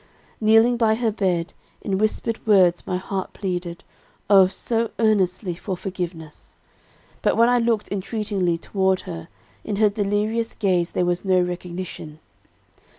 "Kneeling by her bed, in whispered words my heart pleaded, oh, so earnestly, for forgiveness. But, when I looked entreatingly toward her, in her delirious gaze there was no recognition.